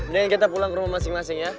kita pulang ke rumah masing masing ya